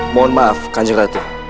mohon maaf kanjeng ratu